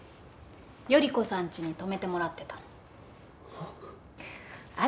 頼子さんちに泊めてもらってたの。